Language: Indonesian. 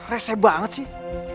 resep banget sih